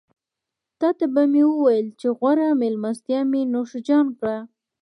تاته به مې وويل چې غوړه مېلمستيا مې نوشيجان کړه.